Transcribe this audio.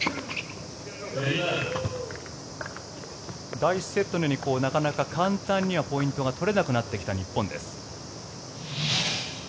第１セットのようになかなか簡単にはポイントが取れなくなってきた日本です。